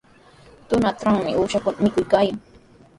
Tunatrawmi uushakuna mikuykaayan.